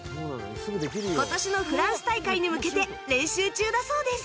今年のフランス大会に向けて練習中だそうです